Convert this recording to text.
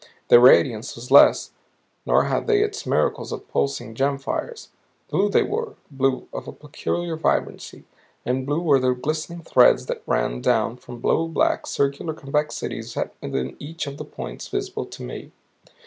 Their radiance was less, nor had they its miracle of pulsing gem fires. Blue they were, blue of a peculiar vibrancy, and blue were the glistening threads that ran down from blue black circular convexities set within each of the points visible to me.